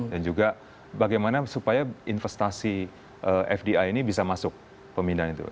juga bagaimana supaya investasi fdi ini bisa masuk pemindahan itu